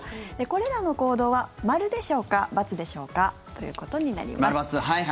これらの行動は○でしょうか×でしょうかということになります。